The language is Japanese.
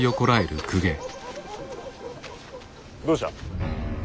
どうした？